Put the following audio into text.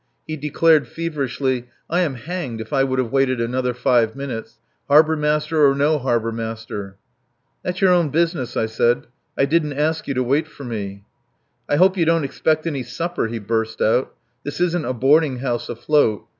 He declared feverishly: "I am hanged if I would have waited another five minutes Harbour Master or no Harbour Master." "That's your own business," I said. "I didn't ask you to wait for me." "I hope you don't expect any supper," he burst out. "This isn't a boarding house afloat.